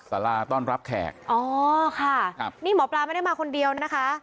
สาราต้อนรับแขกอ๋อค่ะครับนี่หมอปลาไม่ได้มาคนเดียวนะคะ